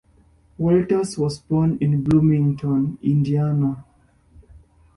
Walters was born in Bloomington, Indiana.